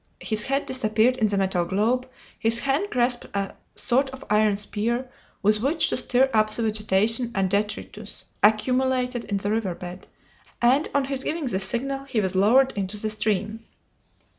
His head disappeared in the metal globe, his hand grasped a sort of iron spear with which to stir up the vegetation and detritus accumulated in the river bed, and on his giving the signal he was lowered into the stream.